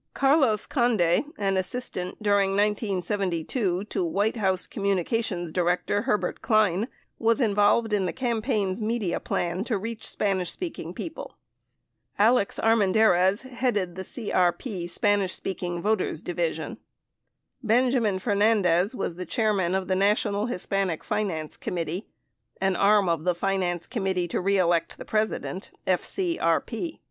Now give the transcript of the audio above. Carlos Conde, an assistant during 1972 to White House Communi cations Director Herbert Klein, was involved in the campaign's media plan to reach Spanish speaking people. Alex Armendariz headed the CRP Spanish speaking voters division. Benjamin Fernandez was the chairman of the National Hispanic Finance Committee, an arm of the Finance Committee to Re Elect the President (FCRP).